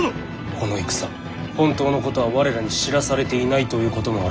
この戦本当のことは我らに知らされていないということもあろうかと。